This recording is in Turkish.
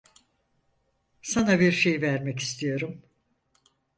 Sana bir şey vermek istiyorum.